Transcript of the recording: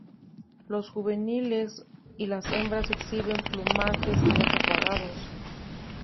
Los juveniles y las hembras exhiben plumajes más apagados.